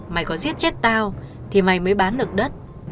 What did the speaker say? mày có giết chết tao thì may mới bán được đất